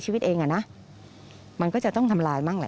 อยู่ดีมาตายแบบเปลือยคาห้องน้ำได้ยังไง